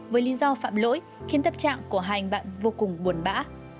với lý do phạm lỗi khiến tâm trạng của hai anh bạn vô cùng buồn bã